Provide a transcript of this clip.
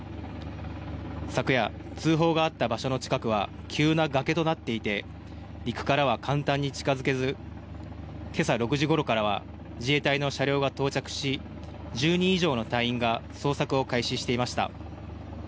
昨夜、通報があった場所の近くは急な崖となっていて、陸からは簡単に近づけず、けさ６時ごろからは、自衛隊の車両が到着し、１０人以上の隊員が捜索を開始していました。